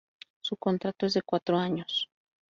Su contrato es de cuatro años.